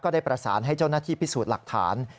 ได้ประสานให้เจ้าหน้าที่พิสูจน์หลักฐาน